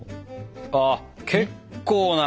ああ結構な。